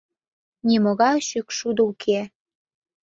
Нимогай шӱкшудо уке.